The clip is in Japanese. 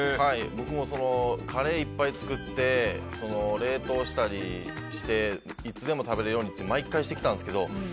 僕も、カレーいっぱい作って冷凍したりしていつでも食べれるようにって毎回、してきたんですけど。